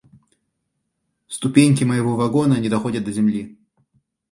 Ступеньки моего вагона не доходят до земли.